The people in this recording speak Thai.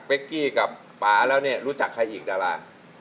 นอกจากเป๊กกี้กับป๊าแล้วนี่รู้จักใครอีกดารา